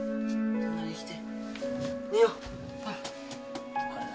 隣来て。